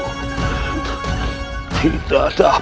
dia tidak meman dengan ilmuku